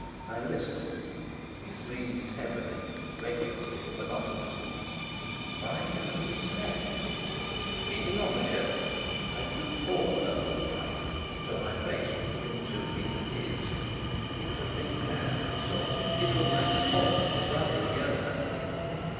I listened; he breathed heavily, regularly, monotonously. By heaven, he slept! Kneeling on the shelf, I drew forward under the pipe till my face was within two feet of his. He was a big man, I saw. It was Max Holf, the brother of Johann.